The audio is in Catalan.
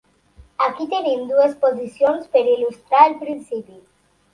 Aquí tenim dues posicions per il·lustrar el principi.